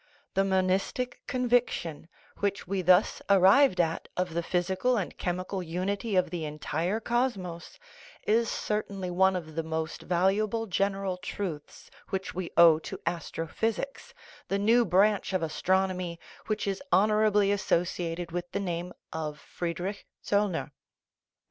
The monistic conviction, which we thus arrived at, of the physical and chemical unity of the entire cosmos is certainly one of the most valuable general truths which we owe to astrophysics, the new branch of as tronomy which is honorably associated with the name of Friedrich Zollner.